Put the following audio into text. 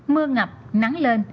mưa ngập nắng lên